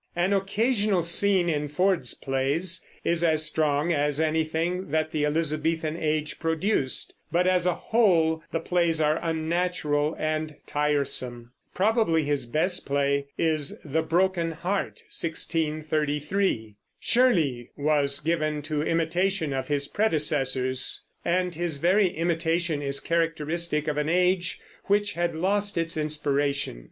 An occasional scene in Ford's plays is as strong as anything that the Elizabethan Age produced; but as a whole the plays are unnatural and tiresome. Probably his best play is The Broken Heart (1633). Shirley was given to imitation of his predecessors, and his very imitation is characteristic of an age which had lost its inspiration.